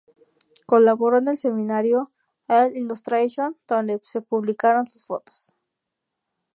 Colaboró en el semanario "L'Illustration", donde se publicaron sus fotos.